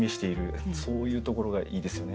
そういうところがいいですよね。